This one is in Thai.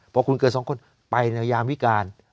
พอคุณเกิดสองคนไปในยามวิการ